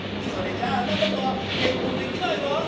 「それじゃああなたとはけっこんできないわ」。